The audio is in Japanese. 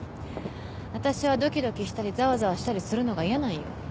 私はドキドキしたりざわざわしたりするのが嫌なんよ。